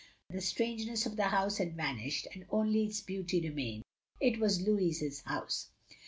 The strangeness of the house had vanished, and only its beauty remained. It was Louis's house.